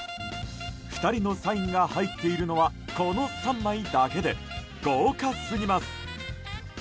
２人のサインが入っているのはこの３枚だけで豪華すぎます。